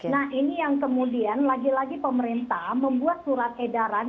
nah ini yang kemudian lagi lagi pemerintah membuat surat edaran